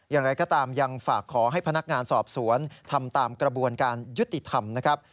อย่างไรก็ตามยังฝากขอให้พนักงานสอบสวนทำตามกระบวนการยุติธรรมนะครับ